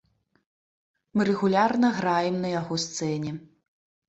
Мы рэгулярна граем на яго сцэне.